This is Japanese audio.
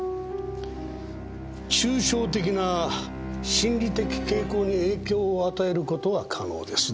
抽象的な心理的傾向に影響を与えることは可能です。